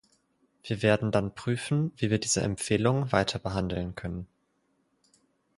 Wir werden dann prüfen, wie wir diese Empfehlung weiterbehandeln können.